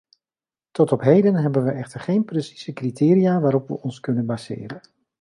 Tot op heden hebben we echter geen precieze criteria waarop we ons kunnen baseren.